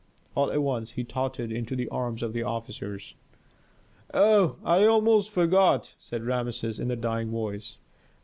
All at once he tottered into the arms of the officers. "Oh, I almost forgot," said Rameses in a dying voice.